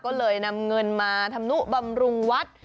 ก็เลยนำเงินมาทำนุบำรุงวัด